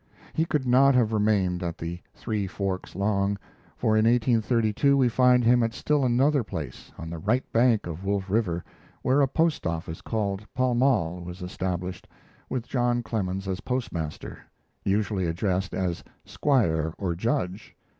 He could not have remained at the Three Forks long, for in 1832 we find him at still another place, on the right bank of Wolf River, where a post office called Pall Mall was established, with John Clemens as postmaster, usually addressed as "Squire" or "Judge."